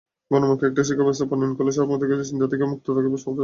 গণমুখী একটি শিক্ষাব্যবস্থা প্রণয়ন করলে সাম্প্রদায়িক চিন্তা থেকে মুক্ত থাকবে ছাত্রসমাজ।